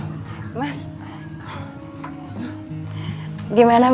youtube mereka tunda karena kita agak sendiri